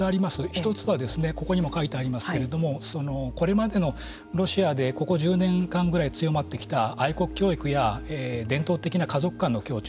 １つは、ここにも書いてありますけれどもこれまでのロシアでここ１０年間ぐらい強まってきた愛国教育や伝統的な家族観の強調